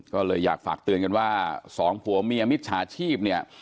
ก็เลยอยากฝากเตือนกันว่าสองผัวเมียมิจฉาชีพเนี่ย